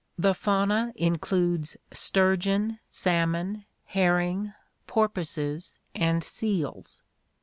The fauna includes sturgeon, salmon, herring, porpoises, and seals.